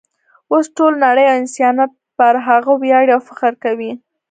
اوس ټوله نړۍ او انسانیت پر هغه ویاړي او فخر کوي.